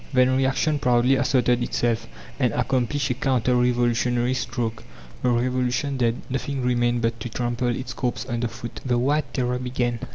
Then reaction proudly asserted itself, and accomplished a counter revolutionary stroke. The Revolution dead, nothing remained but to trample its corpse under foot. The White Terror began.